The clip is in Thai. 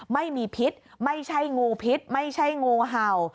ไม่มีพิษไม่ใช่งูพิษไม่ใช่งูเห่า